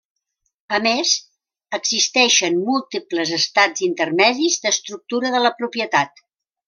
A més, existeixen múltiples estats intermedis d'estructura de la propietat.